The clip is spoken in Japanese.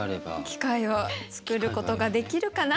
機会を作ることができるかな？